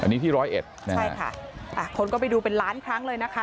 อันนี้ที่ร้อยเอ็ดนะครับใช่ค่ะคนก็ไปดูเป็นล้านครั้งเลยนะคะ